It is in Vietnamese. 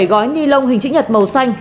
một mươi bảy gói ni lông hình chữ nhật màu xanh